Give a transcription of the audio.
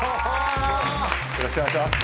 よろしくお願いします。